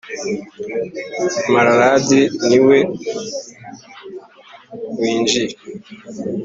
mallard ni we winjiye,